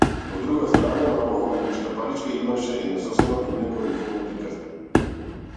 Од другата страна на оваа уметничка паричка, имаше една сосема поинаква ликовна приказна.